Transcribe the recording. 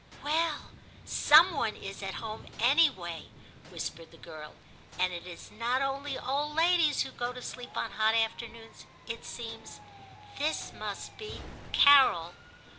'Well. Some one is at home anyway,' whispered the girl, 'and it is not only old ladies who go to sleep on hot afternoons, it seems : this must be " Carol."